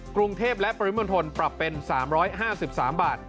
กรุงเทพและปริมณฑลปรับเป็น๓๕๓บาท